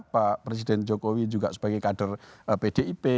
pak presiden jokowi juga sebagai kader pdip